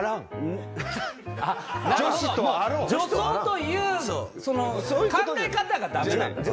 女装というその考え方がダメなんだ。